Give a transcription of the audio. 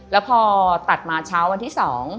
แล้วพอตัดมาเช้าวันที่๒